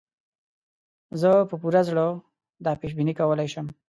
زه په پوره زړه دا پېش بیني کولای شم.